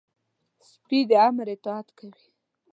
سپي د امر اطاعت کوي.